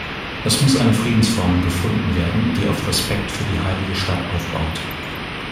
Es muss eine Friedensformel gefunden werden, die auf Respekt für die heilige Stadt aufbaut.